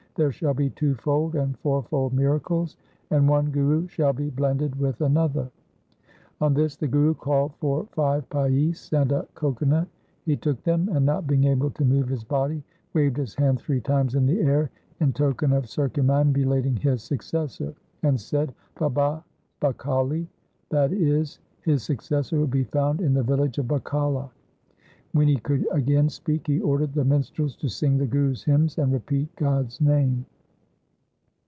There shall be twofold and fourfold miracles, and one Guru shall be blended with another.' On this the Guru called for five paise and a coco nut. He took them, and not being able to move his body, waved his hand three times in the air in token of circumambulating his successor, and said ' Baba Bakale ', that is, his successor would be found in the village of Bakala. When he could again speak he ordered the minstrels to sing the Gurus' hymns and repeat God's name.